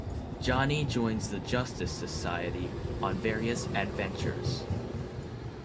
Johnny joins the Justice Society on various adventures.